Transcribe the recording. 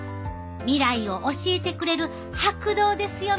未来を教えてくれる拍動ですよ